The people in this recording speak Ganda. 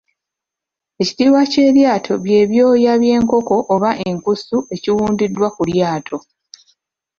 Ekitiibwa ky’eryato bye byoya by’enkoko oba enkusu ebiwundiddwa ku lyato.